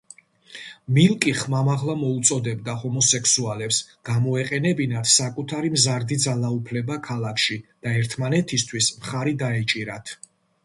მილკი ხმამაღლა მოუწოდებდა ჰომოსექსუალებს გამოეყენებინათ საკუთარი მზარდი ძალაუფლება ქალაქში და ერთმანეთისთვის მხარი დაეჭირათ.